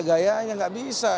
gaya yang tidak bisa